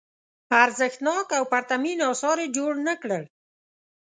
ارزښتناک او پرتمین اثار یې جوړ نه کړل.